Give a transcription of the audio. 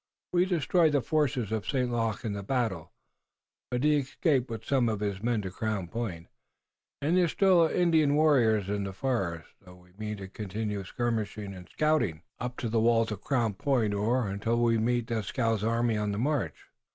We destroyed the forces of St. Luc in the battle, but he escaped with some of his men to Crown Point, and there are still Indian warriors in the forest, though we mean to continue skirmishing and scouting up to the walls of Crown Point, or until we meet Dieskau's army on the march."